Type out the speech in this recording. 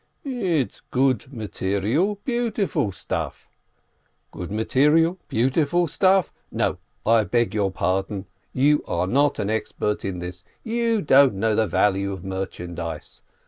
"It's good material, beautiful stuff." "Good material, beautiful stuff? No, I beg your pardon, you are not an expert in this, you don't know the value of merchandise.